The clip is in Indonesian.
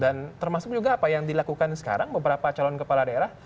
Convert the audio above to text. dan termasuk juga apa yang dilakukan sekarang beberapa calon kepala daerah